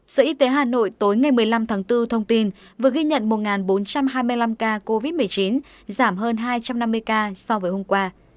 sở y tế hà nội tối ngày một mươi năm tháng bốn thông tin vừa ghi nhận một bốn trăm hai mươi năm ca covid một mươi chín giảm hơn hai trăm năm mươi ca so với hôm qua